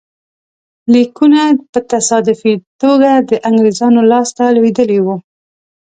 لیکونه په تصادفي توګه د انګرېزانو لاسته لوېدلي وو.